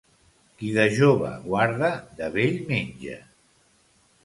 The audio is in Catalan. Qui de jove guarda, de vell menja.